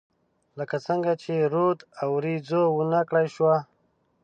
لکه څنګه چې رود او، اوریځو ونه کړای شوه